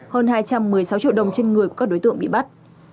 hơn hai trăm một mươi sáu triệu đồng trên người của các đối tượng bị bắt